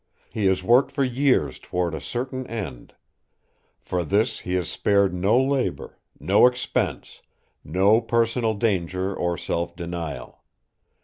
He has worked for years toward a certain end. For this he has spared no labour, no expense, no personal danger or self denial.